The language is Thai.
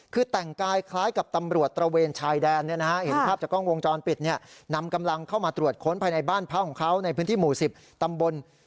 คือแต่งกายคล้ายกับตำรวจตระเวนชายแดนนะครับ